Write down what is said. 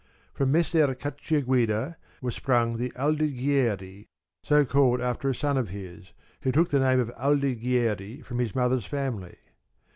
From Messer Caccia guida were sprung the Aldighieri, so called after a son of his, who took the name of Aldighieri from his mother's family.